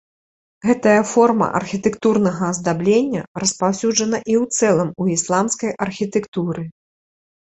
Гэтая форма архітэктурнага аздаблення распаўсюджана ў і ў цэлым у ісламскай архітэктуры.